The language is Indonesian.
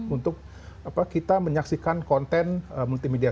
untuk kita menyaksikan konten multimedia